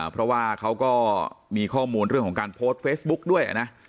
เพราะว่าเขาก็มีข้อมูลเรื่องของการโพสต์เฟซบุ๊กด้วยนะ